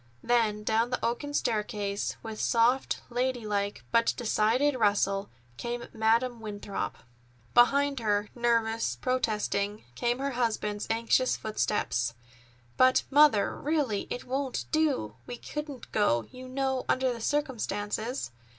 Then down the oaken staircase, with soft, lady like, but decided rustle, came Madam Winthrop. Behind her, nervous, protesting, came her husband's anxious footsteps. "But, Mother, really, it won't do. We couldn't go, you know, under the circumstances."